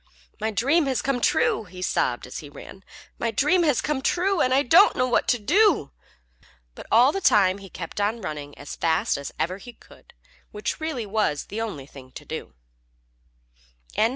"My dream has come true!" he sobbed as he ran. "My dream has come true, and I don't know what to do!" But all the time he kept on running as fast as ever he could, which really was the only thing to do.